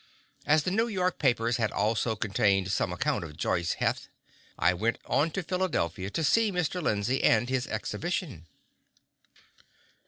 As the New York papers had also contained some account of Joice Heth, I went on to Philadelphia to see Mr. Lindsay and his exhibition.